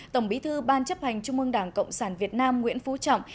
tổng bí thư ban chấp hành trung ương đảng cộng sản việt nam nguyễn phú trọng